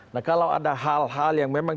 nah kalau ada hal hal yang memang